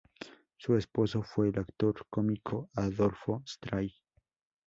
Su esposo fue el actor cómico Adolfo Stray.